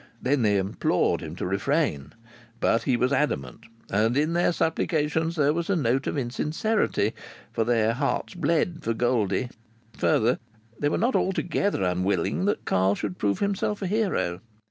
Then they implored him to refrain. But he was adamant. And in their supplications there was a note of insincerity, for their hearts bled for Goldie, and, further, they were not altogether unwilling that Carl should prove himself a hero.